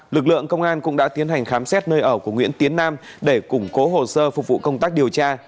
lực lượng công an cũng đã tiến hành khám xét nơi ở của nguyễn tiến nam để củng cố hồ sơ phục vụ công tác điều tra